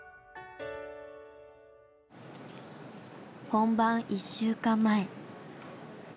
本番１週間前。